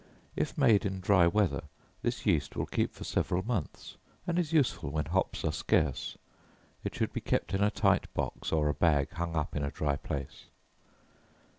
If made in dry weather, this yeast will keep for several months, and is useful when hops are scarce; it should be kept in a tight box, or a bag hung up in a dry place.